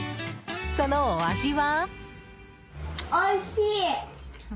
そのお味は？